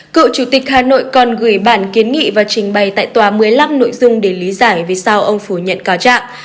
cựu chủ tịch hà nội còn gửi bản kiến nghị và trình bày tại tòa một mươi năm nội dung để lý giải vì sao ông phủ nhận cáo trạng